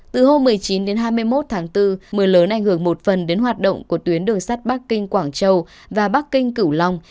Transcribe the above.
từ hôm một mươi chín đến hai mươi một tháng bốn mưa lớn ảnh hưởng một phần đến hoạt động của tuyến đường sắt bắc kinh quảng châu và bắc kinh cửu long